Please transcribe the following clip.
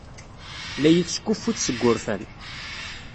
La iyi-teskuffut seg wurfan.